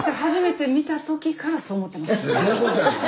どういうことやねん！